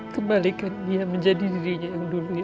kembalikan dia menjadi dirinya yang dulu ya allah